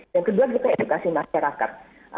yang kedua kita edukasi masyarakat